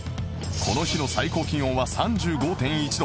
この日の最高気温は ３５．１ 度